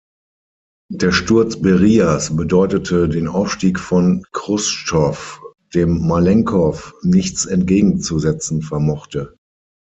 Der Sturz Berias bedeutete den Aufstieg von Chruschtschow, dem Malenkow nichts entgegenzusetzen vermochte.